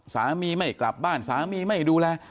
สามีไม่กลับบ้านสามีไม่ดูแล